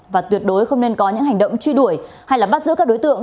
và tuyệt đối không nên có những hành động truy đuổi hay bắt giữ các đối tượng